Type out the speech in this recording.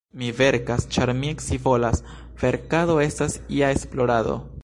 Mi verkas, ĉar mi scivolas; verkado estas ia esplorado.